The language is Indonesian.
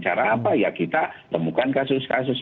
cara apa ya kita temukan kasus kasus